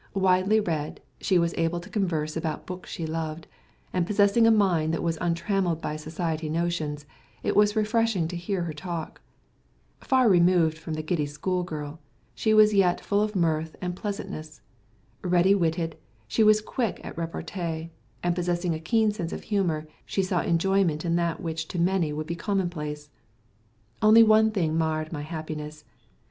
Widely read, she was able to converse about books she loved, and possessing a mind that was untrammelled by society notions, it was refreshing to hear her talk. Far removed from the giddy society girl, she was yet full of mirth and pleasantness. Ready witted, she was quick at repartee; and possessing a keen sense of humour, she saw enjoyment in that which to many would be commonplace. Only one thing marred my happiness.